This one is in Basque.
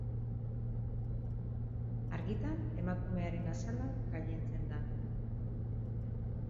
Argitan emakumearen azala gailentzen da.